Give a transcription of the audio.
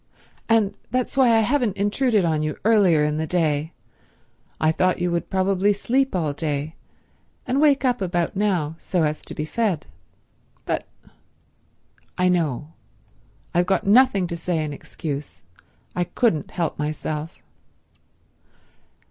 And that's why I haven't intruded on you earlier in the day. I thought you would probably sleep all day, and wake up about now so as to be fed." "But—" "I know. I've got nothing to say in excuse. I couldn't help myself."